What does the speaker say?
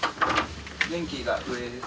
電気が上です。